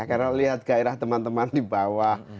karena lihat gairah teman teman di bawah